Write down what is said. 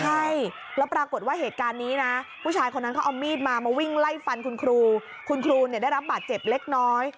ใช่แล้วปรากฏว่าเหตุการณ์นี้นะผู้ชายคนนั้นเขาเอามีดมามาวิ่งไล่ฟันคุณครูคุณครูเนี่ยได้รับบาดเจ็บเล็กน้อย